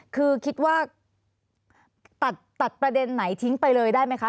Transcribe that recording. คือคิดว่าตัดประเด็นไหนทิ้งไปเลยได้ไหมคะ